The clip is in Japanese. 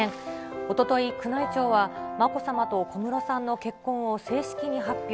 おととい、宮内庁はまこさまと小室さんの結婚を正式に発表。